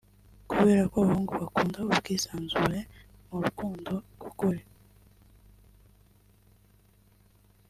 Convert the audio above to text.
kubera ko abahungu bakunda ubwisanzure mu rukundo rw’ukuri